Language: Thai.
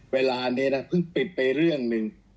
เวลานี้นะเพิ่งปิดไปเรื่องหนึ่ง